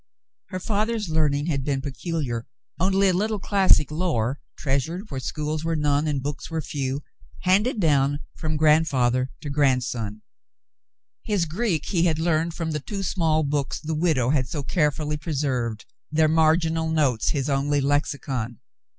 Her father's learning had been peculiar. Only a little classic lore, treasured where schools were none and books The Voices 115 were few, handed down from grandfather to grandson. His Greek he had learned from the two small books the widow had so carefully preserved, their marginal notes his only lexicon.